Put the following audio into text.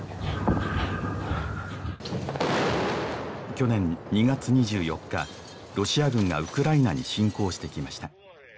去年２月２４日ロシア軍がウクライナに侵攻してきました